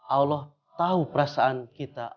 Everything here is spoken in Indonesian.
allah tahu perasaan kita